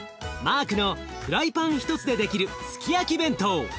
マークのフライパン１つでできるスキヤキ弁当。